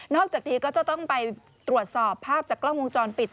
อกจากนี้ก็จะต้องไปตรวจสอบภาพจากกล้องวงจรปิด